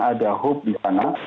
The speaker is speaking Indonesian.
ada hope di sana